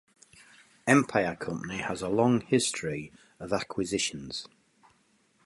Empire Company has a long history of acquisitions.